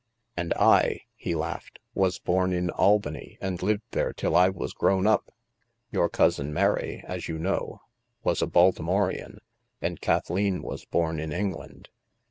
" And I," he laughed, " was bom in Albany and lived there till I was grown up. Your cousin Mary, as you know, was a Baltimorean, and Kathleen was born in England.